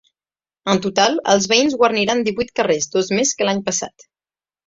En total els veïns guarniran divuit carrers, dos més que l’any passat.